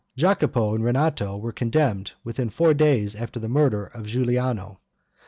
Jacopo and Rinato were condemned within four days after the murder of Giuliano.